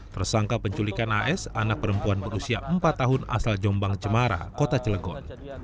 tersangka penculikan as anak perempuan berusia empat tahun asal jombang cemara kota cilegon